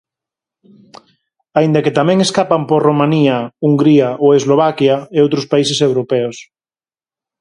Aínda que tamén escapan por Romanía, Hungría ou Eslovaquia e outros países europeos.